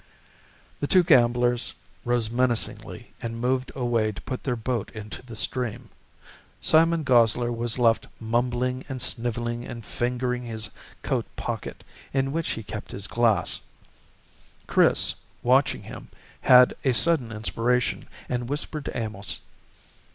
The two gamblers rose menacingly and moved away to put their boat into the stream. Simon Gosler was left mumbling and sniveling and fingering his coat pocket, in which he kept his glass. Chris, watching him, had a sudden inspiration and whispered to Amos.